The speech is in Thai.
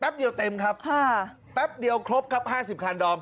แป๊บเดียวเต็มครับค่ะแป๊บเดียวครบครับห้าสิบคันดอม